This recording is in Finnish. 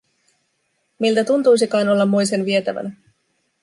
Miltä tuntuisikaan olla moisen vietävänä?